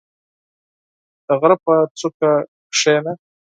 • د غره په څوکه کښېنه.